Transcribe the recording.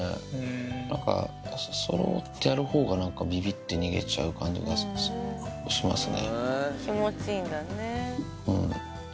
なんかそーっとやるほうがなんかびびって逃げちゃう感じがしますね。